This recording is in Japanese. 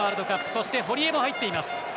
そして、堀江も入っています。